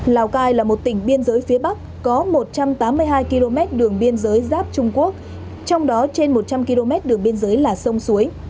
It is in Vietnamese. lào cai là một tỉnh biên giới phía bắc có một trăm tám mươi hai km đường biên giới giáp trung quốc trong đó trên một trăm linh km đường biên giới là sông suối